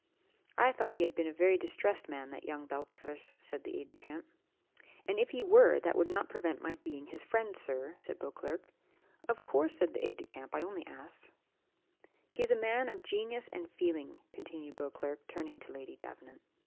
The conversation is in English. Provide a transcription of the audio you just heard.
"I thought he had been a very distressed man, that young Beltravers," said the aid de camp. "And if he were, that would not prevent my being his friend, sir," said Beauclerc. "Of course," said the aid de camp, "I only asked." "He is a man of genius and feeling," continued Beauclerc, turning to Lady Davenant.